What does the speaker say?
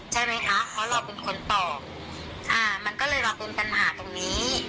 ใช่ไหมคะเพราะเราเป็นคนตอบอ่ามันก็เลยมาเป็นปัญหาตรงนี้